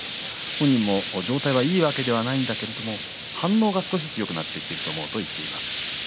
本人も状態がいいわけではないんだけれども反応が少しずつよくなってきていると思うと言っています。